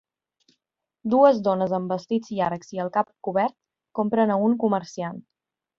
Dues dones amb vestits llargs i el cap cobert compren a un comerciant.